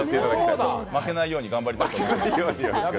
負けないように頑張ります。